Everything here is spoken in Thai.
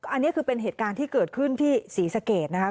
อันนี้คือเป็นเหตุการณ์ที่เกิดขึ้นที่ศรีสะเกดนะคะ